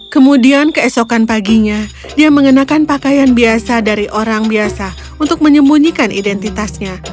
kemudian keesokan paginya dia mengenakan pakaian biasa dari orang biasa untuk menyembunyikan identitasnya